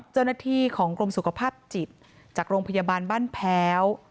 เจ้าหน้าที่ของกรมสุขภาพจิตจากโรงพยาบาลบ้านแพ้ว